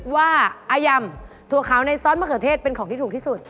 ว่าอายำถั่วขาวในซอสมะเขือเทศเป็นของที่ถูกที่สุด